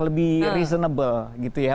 lebih reasonable gitu ya